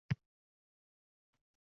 Bola bolalar jamoasiga kiradi.